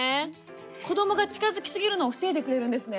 子どもが近づきすぎるのを防いでくれるんですね。